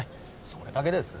それだけです。